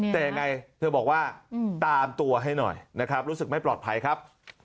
แต่ยังไงเธอบอกว่าตามตัวให้หน่อยนะครับรู้สึกไม่ปลอดภัยครับ